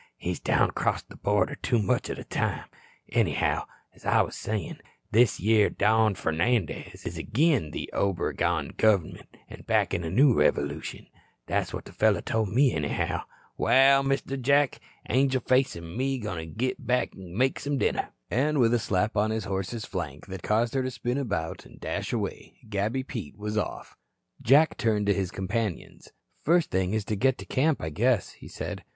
"He's down acrost the border too much o' the time. Anyhow, as I was sayin', this yere Don Fernandez is agin the Obregon gov'ment an' backin' a new revolution. That's what the feller tol' me, anyhow. Waal, Mr. Jack, Angel Face an' me will go an' git dinner." And with a slap on his horse's flank that caused her to spin about and dash away, Gabby Pete was off. Jack turned to his companions. "First thing is to get to camp, I guess," he said.